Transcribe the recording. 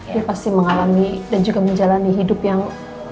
dia pasti mengalami dan juga menjalani hidup yang